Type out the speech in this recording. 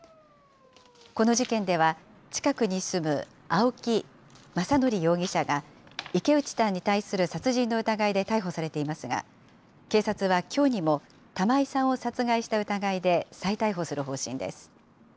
この事件では、近くに住む青木政憲容疑者が、池内さんに対する殺人の疑いで逮捕されていますが、警察はきょうにも、玉井さんを殺害した疑いで再逮捕する方針です。